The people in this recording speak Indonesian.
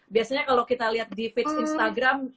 biasanya kalau kita lihat di fitch instagram